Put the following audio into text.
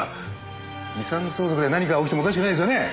遺産相続で何かが起きてもおかしくないですよねえ？